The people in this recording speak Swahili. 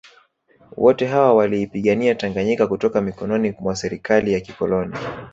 Wote hawa waliipigania Tanganyika kutoka mikononi mwa serikali ya kikoloni